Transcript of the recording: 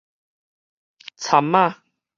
蠶仔